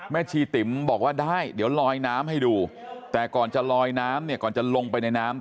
ชีติ๋มบอกว่าได้เดี๋ยวลอยน้ำให้ดูแต่ก่อนจะลอยน้ำเนี่ยก่อนจะลงไปในน้ำ